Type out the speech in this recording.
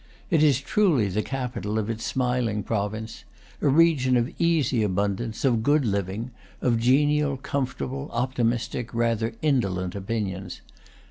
It is truly the capital of its smil ing province; a region of easy abundance, of good living, of genial, comfortable, optimistic, rather indolent opinions.